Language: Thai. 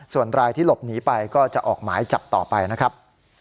ส่วนรายที่หลบหนีไปก็จะออกหมายจับต่อไปนะครับ